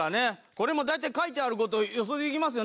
これも大体書いてある事予想できますよ